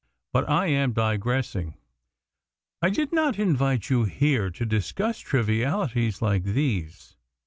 But I am digressing. I did not invite you here to discuss trivialities like these.